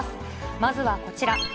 まずはこちら。